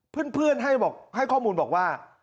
เพื่อนให้ข้อมูลบอกว่า